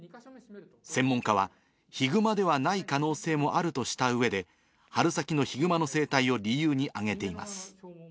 専門家は、ヒグマではない可能性もあるとして、春先のヒグマの生態を理由に挙げています。